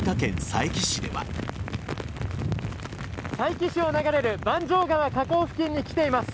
佐伯市を流れる番匠川河口付近に来ています。